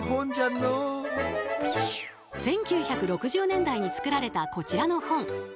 １９６０年代に作られたこちらの本。